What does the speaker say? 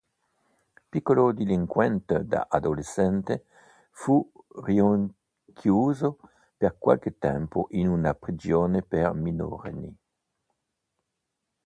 Piccolo delinquente da adolescente, fu rinchiuso per qualche tempo in una prigione per minorenni.